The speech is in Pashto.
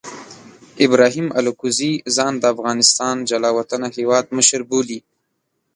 ابراهیم الکوزي ځان د افغانستان جلا وطنه هیواد مشر بولي.